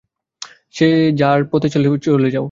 যে যার আপনার পথে চলে যাও।